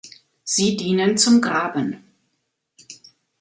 Sie dienen zum Graben.